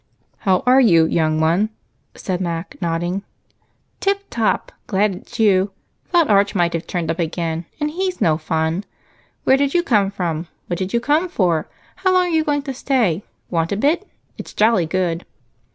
"How are you, young one?" said Mac, nodding. "Tip top. Glad it's you. Thought Archie might have turned up again, and he's no fun. Where did you come from? What did you come for? How long are you going to stay? Want a bit? It's jolly good."